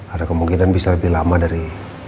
ada kemungkinan bisa lebih lama dari